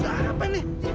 tunggu dulu apa ini